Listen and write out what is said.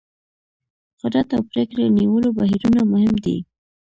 قدرت او پرېکړې نیولو بهیرونه مهم دي.